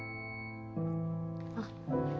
あっ。